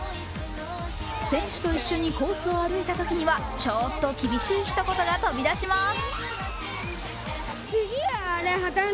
選手と一緒にコースを歩いたときにはちょっと厳しいひと言が飛び出します。